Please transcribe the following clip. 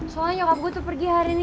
soalnya nyokap gue tuh pergi hari ini